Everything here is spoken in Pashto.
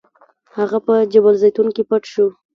هغه په جبل الزیتون کې پټ شو.